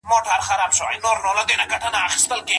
د خلکو سره په نېکۍ چلند کوه.